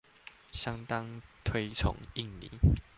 相當推崇印尼